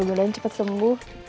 mudah mudahan cepat sembuh